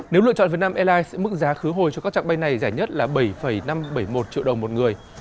nếu lựa chọn việt nam airlines mức giá khứ hồi cho các trạng bay này rẻ nhất là bảy năm trăm bảy mươi một triệu đồng một người